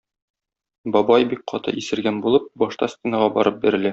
Бабай, бик каты исергән булып, башта стенага барып бәрелә.